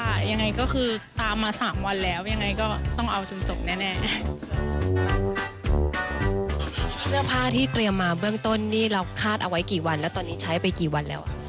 ว่ายังไงก็คือตามมา๓วันแล้วยังไงก็ต้องเอาจนจบแน่